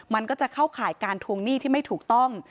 มันก็จะเข้าข่ายการทวงหนี้ที่ไม่ถูกต้อง